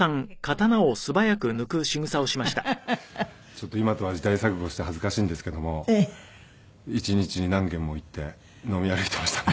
ちょっと今とは時代錯誤して恥ずかしいんですけども１日に何軒も行って飲み歩いていましたね。